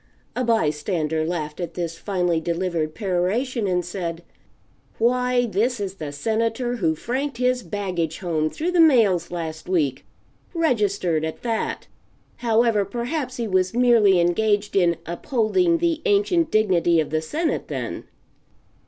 A by stander laughed, at this finely delivered peroration; and said: "Why, this is the Senator who franked his baggage home through the mails last week registered, at that. However, perhaps he was merely engaged in 'upholding the ancient dignity of the Senate,' then."